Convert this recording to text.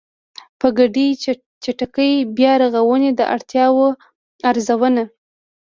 د ګډې چټکې بيا رغونې د اړتیاوو ارزونه